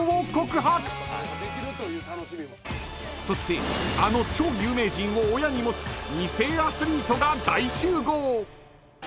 ［そしてあの超有名人を親に持つ２世アスリートが大集合！］